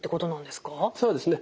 そうですね。